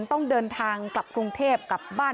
ต้องเดินทางกลับกรุงเทพกลับบ้าน